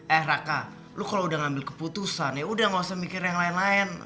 eh raka lu kalau udah ngambil keputusan ya udah gak usah mikir yang lain lain